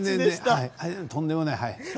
とんでもない。